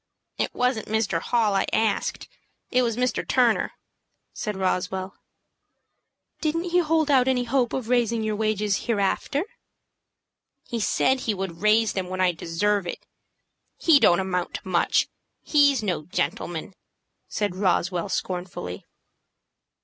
"It wasn't Mr. Hall I asked. It was Mr. Turner," said Roswell. "Didn't he hold out any hopes of raising your wages hereafter?" "He said he would raise them when I deserve it. He don't amount to much. He's no gentleman," said Roswell, scornfully.